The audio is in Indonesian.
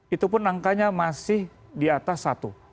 itu pun angkanya masih di atas satu